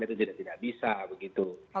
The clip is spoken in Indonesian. itu tidak bisa begitu